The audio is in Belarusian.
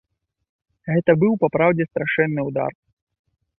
Гэта быў папраўдзе страшэнны ўдар.